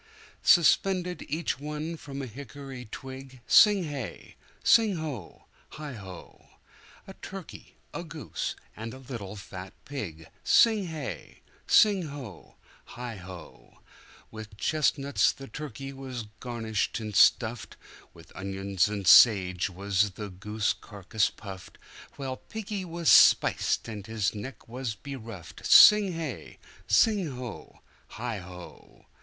Suspended each one from a hickory twig Sing hey! sing ho! heigho!A turkey, a goose, and a little fat pig Sing hey! sing ho! heigho! With chestnuts the turkey was garnished and stuffedWith onions and sage was the goose carcass puffed, While piggy was spiced, and his neck was beruffed Sing hey! sing ho! heigho!